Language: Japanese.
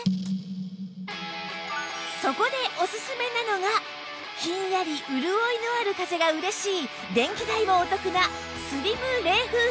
そこでおすすめなのがひんやり潤いのある風が嬉しい電気代もお得なスリム冷風扇